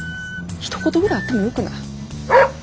ひと言ぐらいあってもよくない？